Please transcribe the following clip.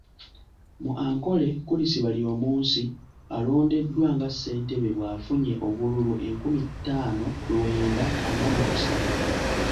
Mu Ankole, Chris Baryomunsi yalondeddwa nga Ssentebe bw'afunye obululu enkumi ttaano lwenda ana mu musanvu.